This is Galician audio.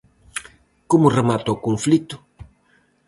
Como remata o conflito?